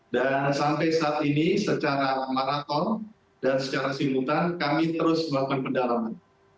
dan sampai saat ini secara maraton dan secara simutan kami terus melakukan pendalaman